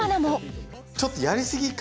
ちょっとやりすぎ感